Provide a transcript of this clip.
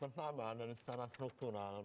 pertama dari secara struktural